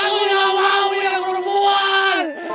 aku tidak mau punya anak perempuan